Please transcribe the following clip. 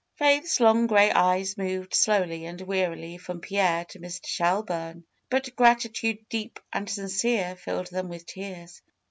Faith's long gray eyes moved slowly and wearily from Pierre to Mr. Shelburne; but gratitude deep and sincere filled them with tears.